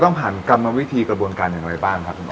ต้องผ่านกรรมวิธีกระบวนการอย่างไรบ้างครับคุณพ่อ